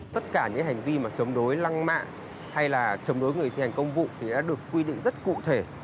tất cả những hành vi mà chống đối lăng mạ hay là chống đối người thi hành công vụ thì đã được quy định rất cụ thể